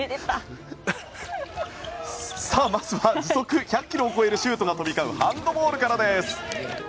まずは時速１００キロを超えるシュートが飛び交うハンドボールからです。